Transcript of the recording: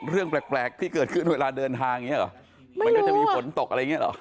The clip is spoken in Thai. เรื่องแปลกที่เกิดขึ้นเวลาเดินทาง่ายังไงหรอ